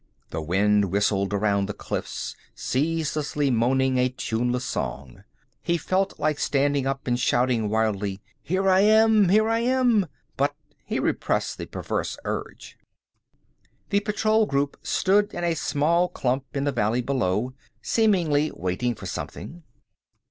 The wind whistled around the cliffs, ceaselessly moaning a tuneless song. He felt like standing up and shouting wildly, "Here I am! Here I am!" but he repressed the perverse urge. The patrol group stood in a small clump in the valley below, seemingly waiting for something.